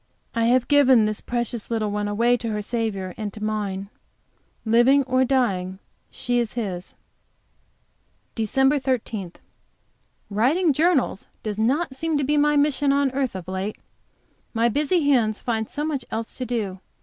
I have given this precious little one away to her Saviour and to mine; living or dying, she is His. DEC. 13. Writing journals does not seem to be my mission on earth of late. My busy hands find so much else to do.